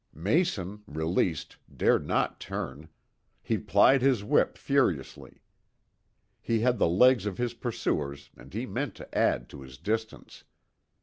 Mason, released, dared not turn. He plied his whip furiously. He had the legs of his pursuers and he meant to add to his distance.